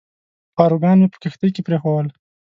پاروګان مې په کښتۍ کې پرېښوول.